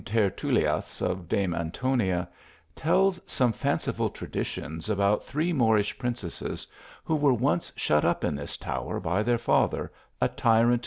tertulias of Dame Antofia, tells some fanciful traditions about three Moorish princesses who were ; c shut up in this tower by their father, a tyrant